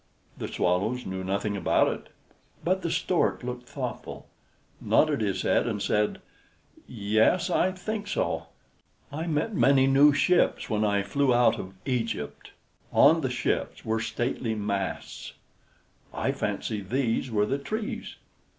The Swallows knew nothing about it, but the Stork looked thoughtful, nodded his head, and said: "Yes, I think so. I met many new ships when I flew out of Egypt; on the ships were stately masts; I fancy these were the trees.